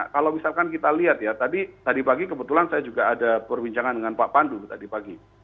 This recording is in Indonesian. kalau misalkan kita lihat ya tadi pagi kebetulan saya juga ada perbincangan dengan pak pandu tadi pagi